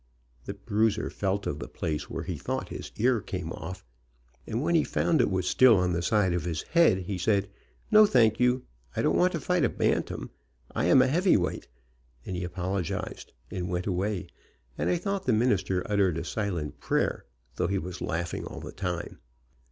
The bruiser felt of the place where he thought his ear came off, and when he found it was still on the side of his head, he said, "No, thank you; I don't want to fight bantams. I am a heavyweight," and he apologized and went away, and I thought the minister uttered a silent prayer, though he was laughing all the time.